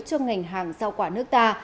cho ngành hàng rau quả nước ta